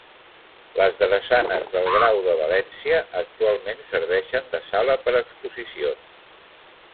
Les Drassanes del Grau de València actualment serveixen de sala per a exposicions.